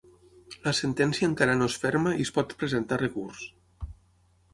La sentència encara no és ferma i es pot presentar recurs.